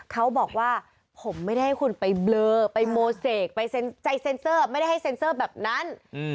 เขาบอกว่าผมไม่ได้ให้คุณไปเบลอไปโมเสกไปเซ็นเซอร์ไม่ได้ให้เซ็นเซอร์แบบนั้น